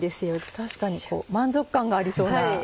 確かに満足感がありそうな。